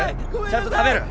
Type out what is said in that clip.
ちゃんと食べる？